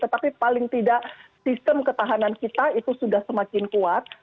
tetapi paling tidak sistem ketahanan kita itu sudah semakin kuat